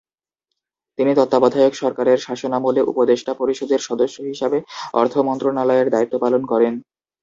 তিনি তত্ত্বাবধায়ক সরকারের শাসনামলে উপদেষ্টা পরিষদের সদস্য হিসাবে অর্থ মন্ত্রণালয়ের দায়িত্ব পালন করেন।